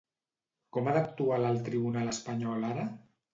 Com ha d'actuar l'alt tribunal espanyol ara?